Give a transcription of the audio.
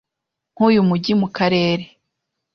nk umujyi mu Karere